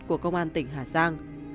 của công an tỉnh hà giang